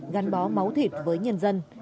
gắn bó máu thịt với nhân dân